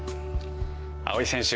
青井選手